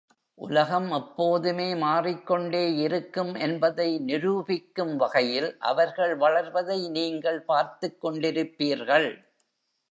உலகம் எப்போதுமே மாறிக்கொண்டே இருக்கும் என்பதை நிரூபிக்கும் வகையில், அவர்கள் வளர்வதை நீங்கள் பார்த்துக்கொண்டிருப்பீர்கள்.